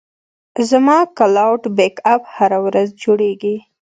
زما کلاوډ بیک اپ هره ورځ جوړېږي.